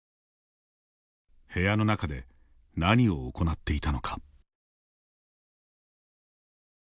部屋の中で何を行っていたのか。